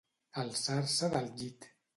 Alçar-se del llit.